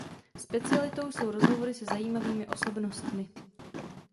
Specialitou jsou rozhovory se zajímavými osobnostmi.